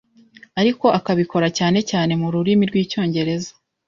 ariko akabikora cyane cyane mu rurimi rw’icyongereza